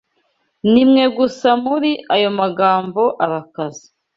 Nimwe gusa muri ayo magambo arakaze.